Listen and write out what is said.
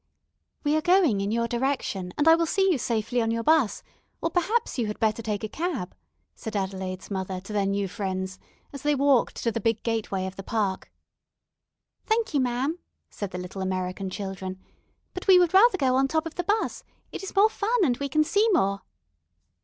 "We are going in your direction, and I will see you safely on your 'bus, or perhaps you had better take a cab," said Adelaide's mother, to their new friends, as they walked to the big gateway of the park. "Thank you, ma'am," said the little American children, "but we would rather go on top of the 'bus; it is more fun, and we can see more."